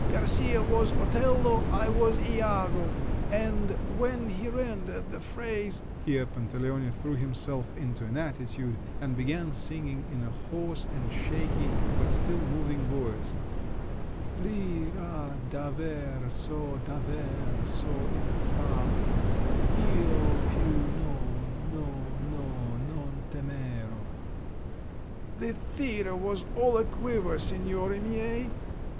Garcia was Otello,—I was Iago—and when he rendered the phrase":—here Pantaleone threw himself into an attitude and began singing in a hoarse and shaky, but still moving voice: "L'i … ra daver … so daver … so il fato lo più no … no … no … non temerò!" The theatre was all a quiver, signori miei!